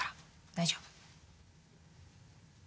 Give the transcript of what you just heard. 大丈夫。